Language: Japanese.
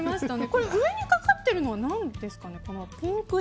これ、上にかかってるのは何ですかね。